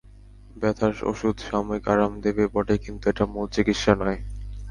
ব্যথার ওষুধ সাময়িক আরাম দেবে বটে কিন্তু এটা মূল চিকিৎসা নয়।